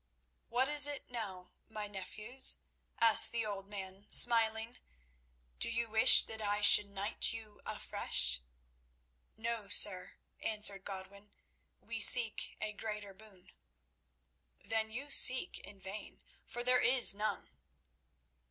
"What is it now, my nephews?" asked the old man, smiling. "Do you wish that I should knight you afresh?" "No, sir," answered Godwin; "we seek a greater boon." "Then you seek in vain, for there is none."